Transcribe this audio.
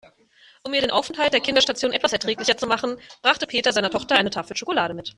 Um ihr den Aufenthalt auf der Kinderstation etwas erträglicher zu machen, brachte Peter seiner Tochter eine Tafel Schokolade mit.